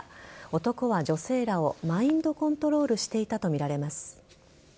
男は女性らをマインドコントロールしていたとみられます。